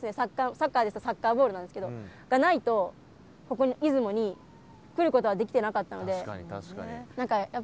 サッカーですとサッカーボールなんですけどがないとここに出雲に来ることはできてなかったので。